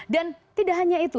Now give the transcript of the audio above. dan tidak hanya itu